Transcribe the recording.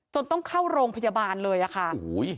ต้องเข้าโรงพยาบาลเลยอะค่ะ